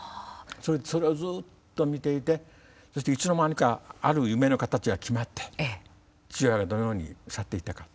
それをずっと見ていていつの間にかある夢の形が決まって父親がどのように去っていったか。